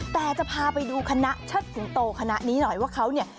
แต่จะพาไปดูคณะเชิดสิงโตคณะนี้หน่อยว่าเขาเนี่ย